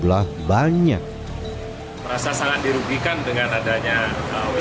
merasa sangat dirugikan dengan adanya sepeda motor yang tidak ada di negara asing dan tidak ada keuangan yang ada di negara asing